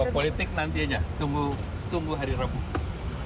politik nantinya tunggu hari rabu